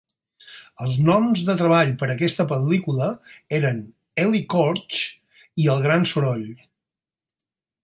Els noms de treball per aquesta pel·lícula eren "Eli Kotch" i "El Gran Soroll".